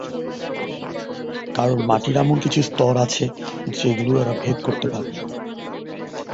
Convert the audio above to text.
কারণ মাটির এমন কিছু স্তর আছে যেগুলো এরা ভেদ করতে পারে না।